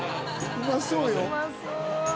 うまそう。